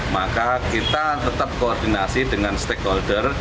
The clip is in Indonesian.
maka kita tetap koordinasi dengan stakeholder